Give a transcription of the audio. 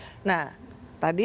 tadi yang dikatakan itu itu bahwa